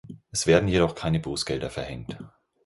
Es werden jedoch keine Bußgelder verhängt.